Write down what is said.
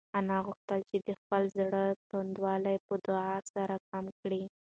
انا غوښتل چې د خپل زړه توندوالی په دعا سره کم کړي.